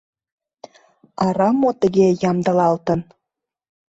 Арам мо тыге ямдылалтын?